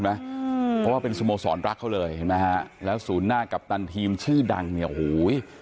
เพราะว่าเป็นสมโมสอนรักเขาเลยเห็นไม๊ฮะแล้วสุนหน้ากัปตันทีมชื่อดังเนี้ยหูย